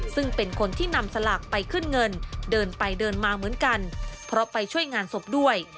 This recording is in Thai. ซึ่งเป็นคนที่นำสลากไปขึ้นเงินเดินไปเดินมาเหมือนกันเพราะไปช่วยงานศพด้วย